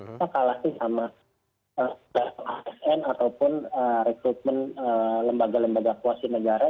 kita kalah sih sama asn ataupun rekrutmen lembaga lembaga kuasi negara